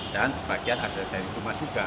dan sebagian ada dari dumas juga